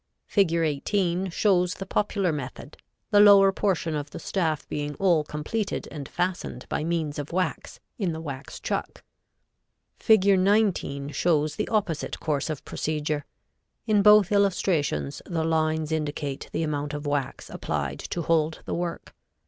Fig. 18 shows the popular method, the lower portion of the staff being all completed and fastened by means of wax, in the wax chuck. Fig. 19 shows the opposite course of procedure. In both illustrations the lines indicate the amount of wax applied to hold the work.